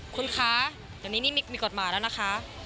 คุณค้าตอนนี้มีกฎหมายแล้วนะคะ